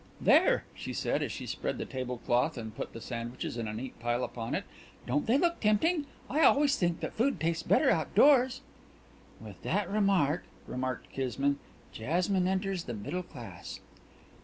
"There!" she said, as she spread the table cloth and put the sandwiches in a neat pile upon it. "Don't they look tempting? I always think that food tastes better outdoors." "With that remark," remarked Kismine, "Jasmine enters the middle class."